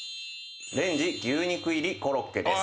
レンジ牛肉入りコロッケです。